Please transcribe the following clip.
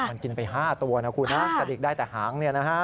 มันกินไป๕ตัวนะครับสะดิกได้แต่หาง